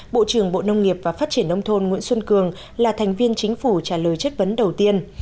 bộ trưởng bộ nông nghiệp và phát triển nông thôn nguyễn xuân cường là thành viên chính phủ trả lời chất vấn đầu tiên